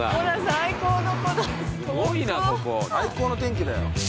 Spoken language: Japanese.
最高の天気だよ。